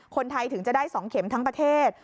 คนไทยถึงจะได้๒เข็มทั้งประเทศ